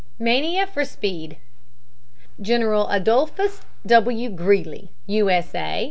MANIA FOR SPEED General Adolphus W. Greely, U. S. A.